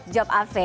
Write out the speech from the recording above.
jawab a v